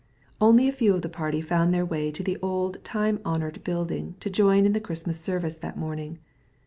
Only a very few of the party found their way to the old time honoured building to join in the Christmas service that morning.